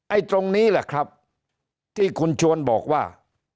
ตรงนี้แหละครับที่คุณชวนบอกว่า